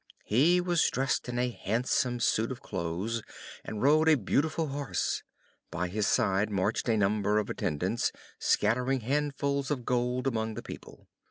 He was dressed in a handsome suit of clothes, and rode a beautiful horse; by his side marched a number of attendants, scattering handfuls of gold among the people.